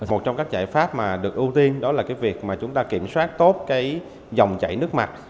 một trong các giải pháp mà được ưu tiên đó là việc chúng ta kiểm soát tốt dòng chảy nước mặt